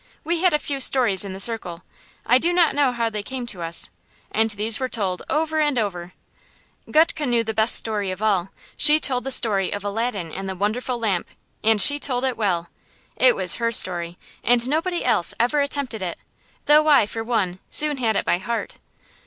We had a few stories in the circle I do not know how they came to us and these were told over and over. Gutke knew the best story of all. She told the story of Aladdin and the Wonderful Lamp, and she told it well. It was her story, and nobody else ever attempted it, though I, for one, soon had it by heart.